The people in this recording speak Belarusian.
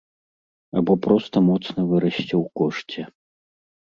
Або проста моцна вырасце ў кошце.